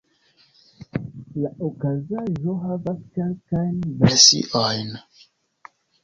La okazaĵo havas kelkajn versiojn.